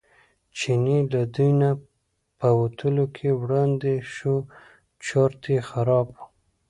چینی له دوی نه په وتلو کې وړاندې شو چورت یې خراب و.